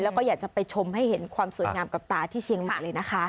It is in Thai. แล้วก็อยากจะไปชมให้เห็นความสวยงามกับตาที่เชียงใหม่เลยนะคะ